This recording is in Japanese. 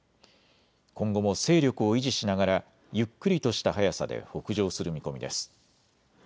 今後も勢力を維持しながらゆっくりとした速さで北上する見込みです。